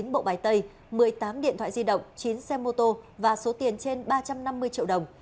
một mươi bộ bài tay một mươi tám điện thoại di động chín xe mô tô và số tiền trên ba trăm năm mươi triệu đồng